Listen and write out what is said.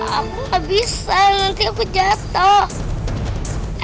aku gak bisa nanti aku jatuh